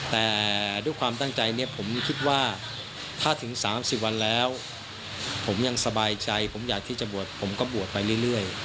แต่ด้วยความตั้งใจเนี่ยผมคิดว่าถ้าถึง๓๐วันแล้วผมยังสบายใจผมอยากที่จะบวชผมก็บวชไปเรื่อย